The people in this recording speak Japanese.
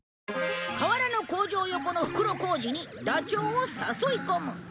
河原の工場横の袋小路にダチョウを誘い込む。